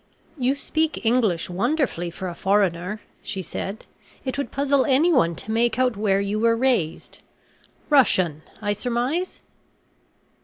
"You speak English wonderfully for a foreigner," she said; "it would puzzle anyone to make out where you were raised Russian, I surmise?"